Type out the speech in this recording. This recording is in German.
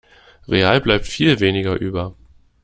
Real bleibt viel weniger über.